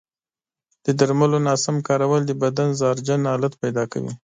د درملو ناسم کارول د بدن زهرجن حالت پیدا کوي.